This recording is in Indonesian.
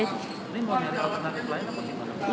ini mau nyari rp seratus lain